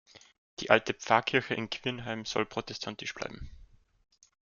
Die alte Pfarrkirche in Quirnheim sollte protestantisch bleiben.